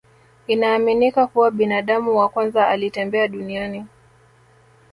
Inaaminika kuwa binadamu wa kwanza alitembea duniani